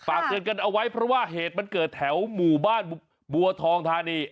เตือนกันเอาไว้เพราะว่าเหตุมันเกิดแถวหมู่บ้านบัวทองธานี